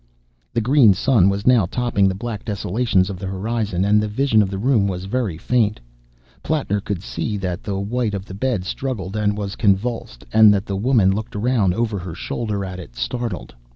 The green sun was now topping the black desolations of the horizon, and the vision of the room was very faint. Plattner could see that the white of the bed struggled, and was convulsed; and that the woman looked round over her shoulder at it, startled.